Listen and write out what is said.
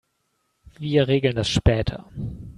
Wir regeln das später.